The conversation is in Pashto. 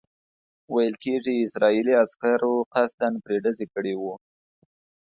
ویل کېږي اسرائیلي عسکرو قصداً پرې ډز کړی وو.